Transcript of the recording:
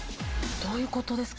どういう事ですか？